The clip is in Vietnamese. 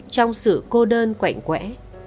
trong sự cô đơn quạnh quẽ